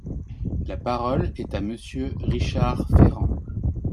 La parole est à Monsieur Richard Ferrand.